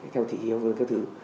theo thị hiếu các thứ